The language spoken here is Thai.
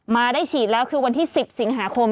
มาได้ฉีดแล้วคือวันที่๑๐สิงหาคม